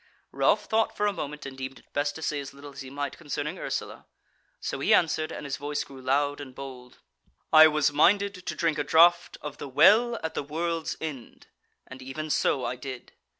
Ralph thought for a moment, and deemed it best to say as little as he might concerning Ursula; so he answered, and his voice grew loud and bold: "I was minded to drink a draught of the WELL at the WORLD'S END, and even so I did."